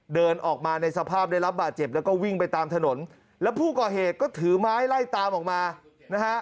เดินออกมาในสภาพได้รับบาดเจ็บแล้วก็วิ่งไปตามถนนแล้วผู้ก่อเหตุก็ถือไม้ไล่ตามออกมานะฮะ